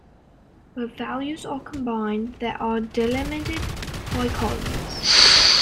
Where values are combined, they are delimited by colons.